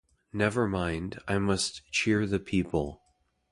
Never mind, I must cheer the people.